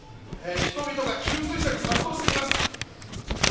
人々が給水車に殺到しています。